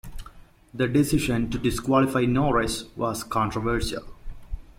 The decision to disqualify Norris was controversial.